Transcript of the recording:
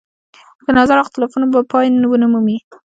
د نظر اختلافونه به پای ونه مومي.